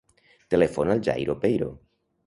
Telefona al Jairo Peiro.